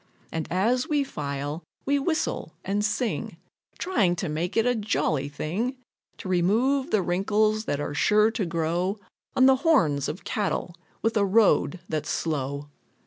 And as we file, we whistle and sing, Trying to make it a jolly thing, To remove the wrinkles that are sure to grow On the horns of cattle with a road that's slow.